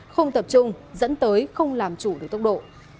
không tập trung dẫn tới không làm chủ được tốc độ